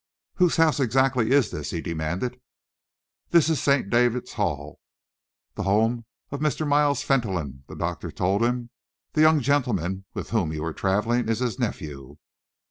"Whose house exactly is this?" he demanded. "This is St. David's Hall the home of Mr. Miles Fentolin," the doctor told him. "The young gentleman with whom you were travelling is his nephew."